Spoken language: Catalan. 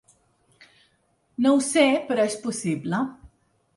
No ho sé, però és possible.